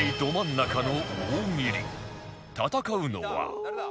戦うのは